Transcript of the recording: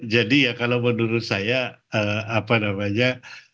jadi kalau menurut saya